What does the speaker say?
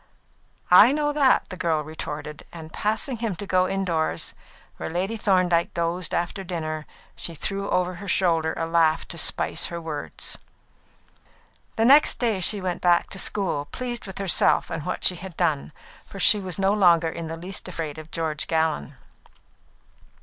"I know that," the girl retorted; and passing him to go indoors, where Lady Thorndyke dozed after dinner, she threw over her shoulder a laugh to spice her words. The next day she went back to school, pleased with herself and what she had done, for she was no longer in the least afraid of George Gallon.